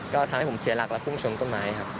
ก็ทำให้ผมเสียหลักและพุ่งชนต้นไม้ครับ